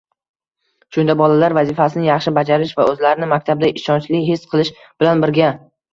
Shunda bolalar vazifani yaxshi bajarish va o‘zlarini maktabda ishonchli his qilish bilan birga